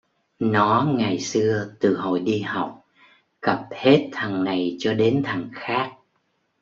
Nó ngày xưa Từ hồi đi họccặp hết thằng này cho đến thằng khác